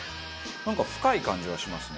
なんか深い感じがしますね。